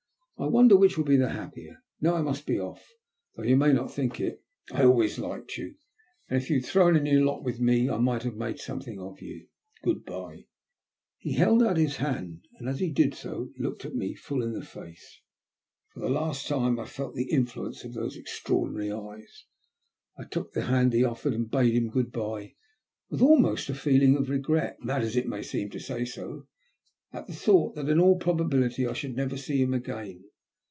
I wonder which ^ill be the happier? Now I must be off. Though you may not think it, I always liked you, and if you had thrown in your lot with me, I might have made something of you. Good bye." He held out his hand, and as he did so he looked me full in the face. For the last time I felt the influence of those extraordinary eyes. I took the hand he offered and bade him good bye with almost a feeling of regret, mad as it may seem to say so, at the thought that in all probability I should never see him again.